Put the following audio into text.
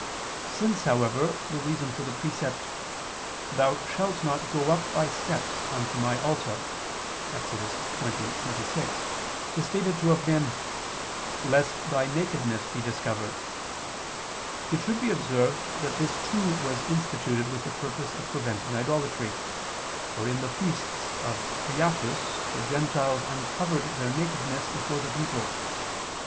Since, however, the reason for the precept, "Thou shalt not go up by steps unto My altar" (Ex. 20:26) is stated to have been "lest thy nakedness be discovered," it should be observed that this too was instituted with the purpose of preventing idolatry, for in the feasts of Priapus the Gentiles uncovered their nakedness before the people.